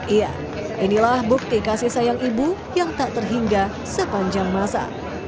iya inilah bukti kasih sayang ibu yang tak terhingga sepanjang masa